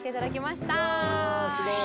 わすごい。